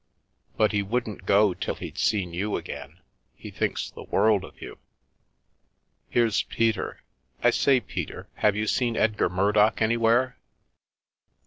But he wouldn't go till he'd seen you again ; he thinks the world of you. Here's Peter — I say, Peter, have you seen Edgar Murdock anywhere?"